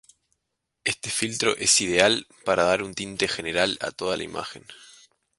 Este filtro es ideal para dar un tinte general a toda la imagen.